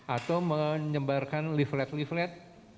atau menyebarkan liflet liflet